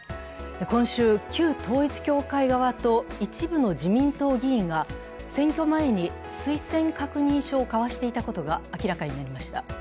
今週、旧統一教会側と一部の自民党議員が選挙前に推薦確認書を交わしていたことが明らかになりました。